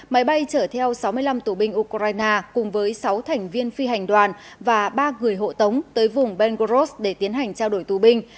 máy bay chở theo sáu mươi năm tù binh ukraine cùng với sáu thành viên phi hành đoàn và ba người hộ tống tới vùng ben goros để tiến hành trao đổi tù binh